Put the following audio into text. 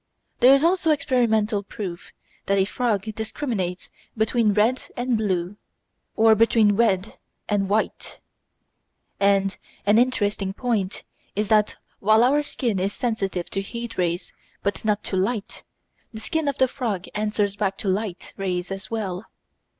There is also experimental proof that a frog discriminates between red and blue, or between red and white, and an interesting point is that while our skin is sensitive to heat rays but not to light, the skin of the frog answers back to light rays as well.